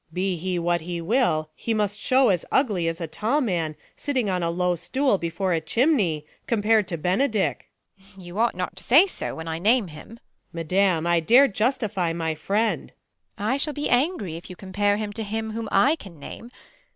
Luc. Be he wliat he will, he must shew as ugly As a tall man sitting on a low stool Before a chimney, compared to Benedick. Beat. You ought not to say so, when I name him. Luc. Madam, I dare justify my friend. Beat. I shall be angry if you compare him To him whom I can name.